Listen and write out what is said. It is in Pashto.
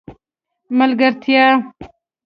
ملګرتیا